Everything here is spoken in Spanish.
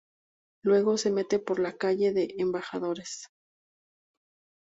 Luego, se mete por la Calle de Embajadores.